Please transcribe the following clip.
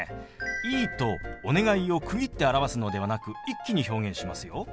「いい」と「お願い」を区切って表すのではなく一気に表現しますよ。